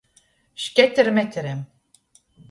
Šketermeterem.